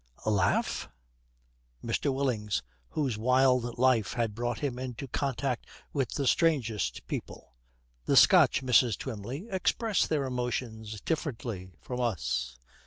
'Laugh?' MR. WILLINGS, whose wild life has brought him into contact with the strangest people, 'The Scotch, Mrs. Twymley, express their emotions differently from us.